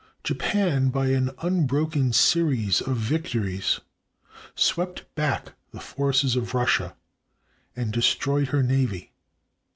Japan by an unbroken series of victories swept back the forces of Russia and destroyed her navy.